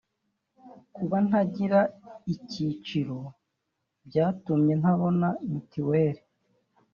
Kuba ntagira icyiciro byatumye ntabona mituweri